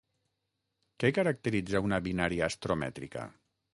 Què caracteritza una binària astromètrica?